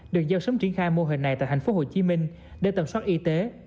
được giao sớm triển khai mô hình này tại tp hcm để tầm soát y tế